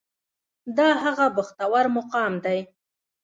دا هغه بختور مقام دی.